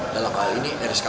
dalam hal ini rsko